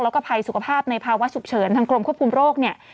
แล้วก็ภัยสุขภาพในภาวะฉุกเฉินทางกรมควบคุมโรคเนี่ย